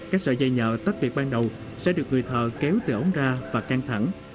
các sợi dây nhợ tất việc ban đầu sẽ được người thợ kéo từ ống ra và can thẳng